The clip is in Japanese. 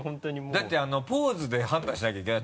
だってポーズで判断しなきゃいけない。